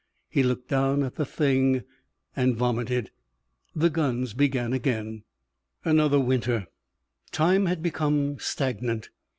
He looked down at the thing and vomited. The guns began again. Another winter. Time had become stagnant.